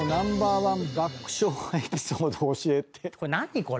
何これ？